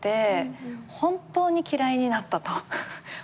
本当に嫌いになったと。